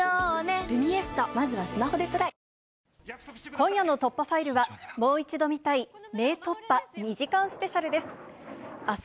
今夜の突破ファイルは、もう一度見たい名突破２時間スペシャルです。